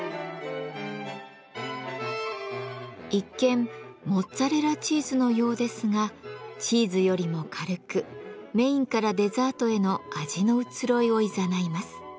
一見モッツァレラチーズのようですがチーズよりも軽くメインからデザートへの味の移ろいをいざないます。